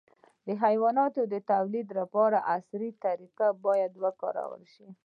د حیواناتو د تولید لپاره عصري طریقې باید وکارول شي.